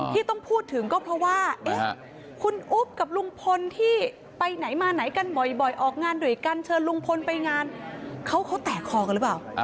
ที่ต้องพูดถึงก็เพราะว่าคุณอุ๊บกับลุงพลที่ไปไหนมาไหนกันบ่อยออกงานด้วยกันเชิญลุงพลไปงานเขาแตกคอกันหรือเปล่า